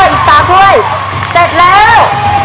อีกสามด้วยเสร็จแล้ว